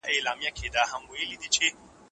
آیا تاسو د څېړني له ډولونو خبر یاست؟